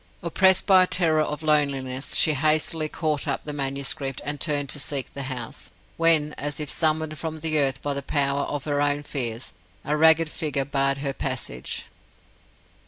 Oppressed by a terror of loneliness, she hastily caught up the manuscript, and turned to seek the house, when, as if summoned from the earth by the power of her own fears, a ragged figure barred her passage.